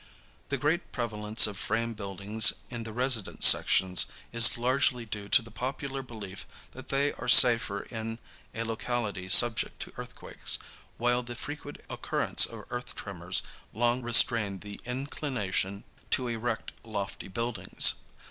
The great prevalence of frame buildings in the residence sections is largely due to the popular belief that they are safer in a locality subject to earthquakes, while the frequent occurrence of earth tremors long restrained the inclination to erect lofty buildings.